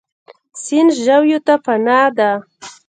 سیند ژویو ته پناه ده.